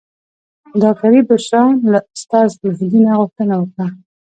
ډاکټرې بشرا له استاد مهدي نه غوښتنه وکړه.